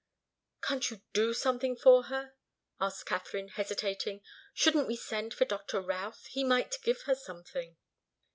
"Can't you do something for her?" asked Katharine, hesitating. "Shouldn't we send for Doctor Routh? He might give her something."